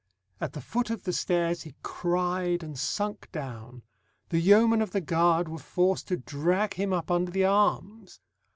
At the foot of the stairs he cried and sunk down; the yeomen of the guard were forced to drag him up under the arms.